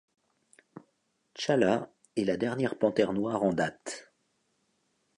T’Challa est la dernière Panthère noire en date.